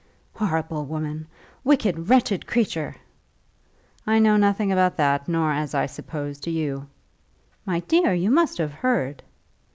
"Horrible woman; wicked, wretched creature!" "I know nothing about that, nor, as I suppose, do you." "My dear, you must have heard."